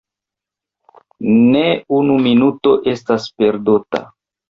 Ne unu minuto estas perdota.